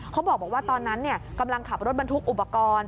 เขาบอกว่าตอนนั้นกำลังขับรถบรรทุกอุปกรณ์